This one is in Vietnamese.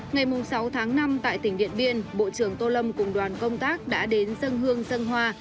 ngày sáu tháng năm tại tỉnh điện biên bộ trưởng tô lâm cùng đoàn công tác đã đến dân hương dân hoa